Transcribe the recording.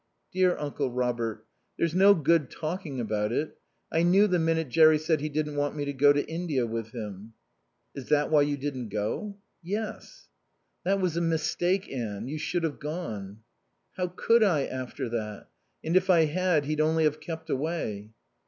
"Dear Uncle Robert. There's no good talking about it. I knew, the minute Jerry said he didn't want me to go to India with him." "Is that why you didn't go?" "Yes." "That was a mistake, Anne. You should have gone." "How could I, after that? And if I had, he'd only have kept away."